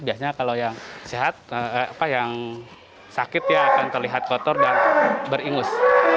biasanya kalau yang sehat yang sakit ya akan terlihat kotor dan beringus